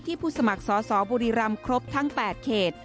ที่ผู้สมัครสอบบริรามครบทั้ง๘เขต